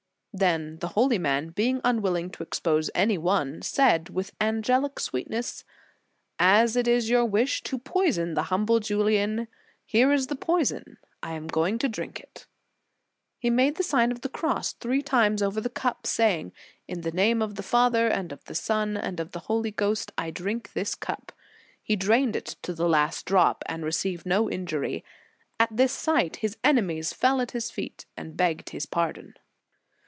Then the holy man, being unwiUing to expose any one, said with an gelic sweetness: "As it is your wish to poison the humble Julian, here is the poison, I am going to drink it." He made the Sign of the Cross three times over the cup, saying, "In the name of the Father, and of the Son, and of the Holy Ghost, I drink this cup." He drained it to the last drop and received no injury. At this sight, his enemies fell at his feet and begged his pardon.